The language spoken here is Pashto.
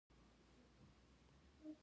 باران د افغان ماشومانو د لوبو یوه موضوع ده.